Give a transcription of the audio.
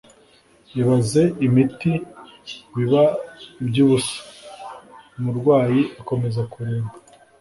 ibaza imiti biba iby'ubusa, umurwayi akomeza kuremba